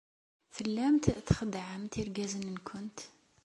Tellamt txeddɛemt irgazen-nwent.